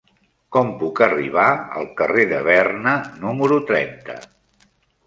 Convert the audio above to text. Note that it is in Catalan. Com puc arribar al carrer de Berna número trenta?